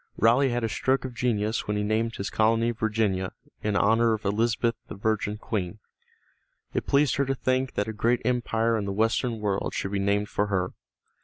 Raleigh had a stroke of genius when he named his colony Virginia, in honor of Elizabeth the Virgin Queen. It pleased her to think that a great empire in the western world should be named for her.